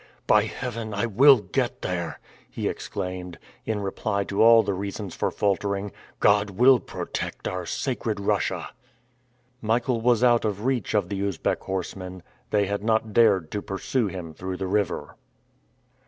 "By Heaven, I will get there!" he exclaimed, in reply to all the reasons for faltering. "God will protect our sacred Russia." Michael was out of reach of the Usbeck horsemen. They had not dared to pursue him through the river.